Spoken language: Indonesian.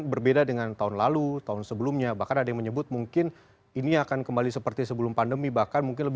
berbeda dengan tahun lalu